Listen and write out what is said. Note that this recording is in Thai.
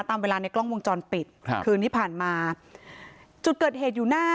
ตามเวลาในกล้องวงจรปิดครับคืนที่ผ่านมาจุดเกิดเหตุอยู่หน้า